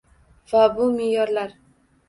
Va bu me’yorlar